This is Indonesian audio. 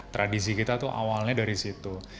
tradisi kita tuh awalnya dari situ